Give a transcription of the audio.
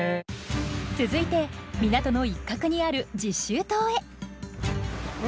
続いて港の一角にある実習棟へ。